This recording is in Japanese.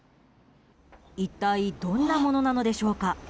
一体どんなものなのでしょうか。